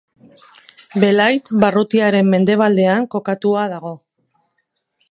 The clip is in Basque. Belait barrutiaren mendebaldean kokatua dago.